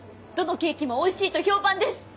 どのケーキもおいしいと評判です！